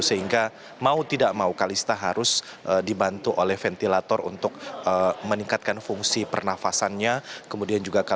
sehingga mau tidak mau kalista harus dibantu oleh ventilator untuk meningkatkan fungsi pernafasannya